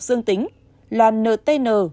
dương tính là ntn